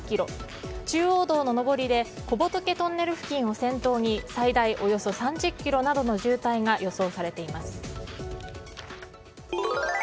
中央道の上りで小仏トンネル付近を先頭に最大およそ３０ｋｍなどの渋滞が予想されています。